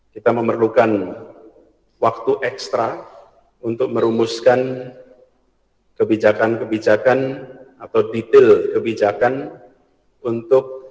kita memerlukan waktu ekstra untuk merumuskan kebijakan kebijakan atau detail kebijakan untuk